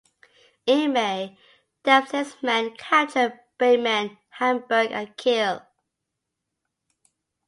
In May, Dempsey's men captured Bremen, Hamburg and Kiel.